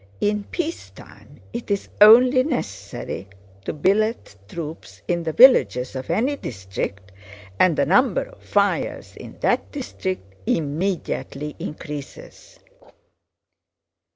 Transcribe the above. In peacetime it is only necessary to billet troops in the villages of any district and the number of fires in that district immediately increases.